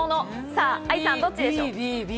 さぁ、愛さん、どっちでしょう？